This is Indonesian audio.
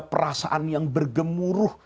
perasaan yang bergemuruh